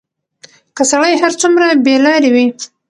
که سړى هر څومره بېلارې وي،